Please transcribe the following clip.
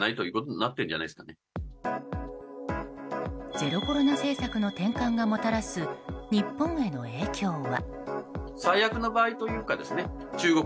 ゼロコロナ政策の転換がもたらす日本への影響は。